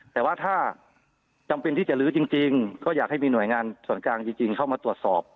แต่ว่าถ้าจำเป็นที่จะลื้อจริงก็อยากให้มีหน่วยงานส่วนกลางจริงเข้ามาตรวจสอบ